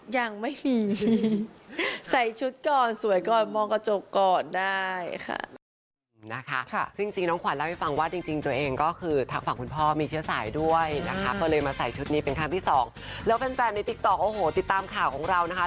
ยังไม่มีใส่ชุดก่อนสวยก่อนมองกระจกก่อนได้ค่ะ